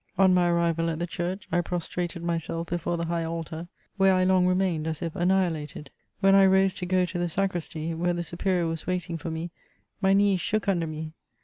On my arrival at the church, I prostrated myself before the high altar, where I long remained as if annihilated. When I rose to go to the sacristy, where the Superior was waiting for me, my knees shook under me.